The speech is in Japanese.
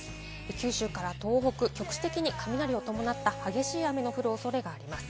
九州から東北は局地的に雷を伴った激しい雨の降るおそれがあります。